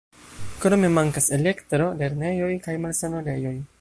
Krome mankas elektro, lernejoj kaj malsanulejoj.